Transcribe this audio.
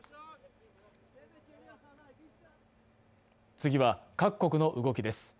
次は各国の動きです。